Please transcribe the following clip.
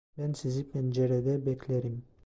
Ben sizi pencerede beklerim.